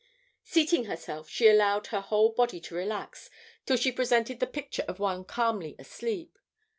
Seating herself, she allowed her whole body to relax till she presented the picture of one calmly asleep.